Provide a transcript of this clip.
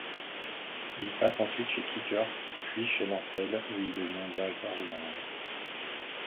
Il passe ensuite chez Kickers, puis chez Lancel, où il devient directeur général.